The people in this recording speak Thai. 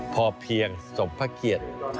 พอเพียงสมพระเกียรติ